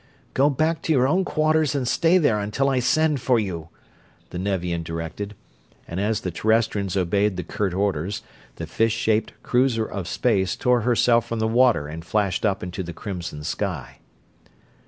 "Go back to your own quarters and stay there until I send for you," the Nevian directed, and as the Terrestrials obeyed the curt orders the fish shaped cruiser of space tore herself from the water and flashed up into the crimson sky.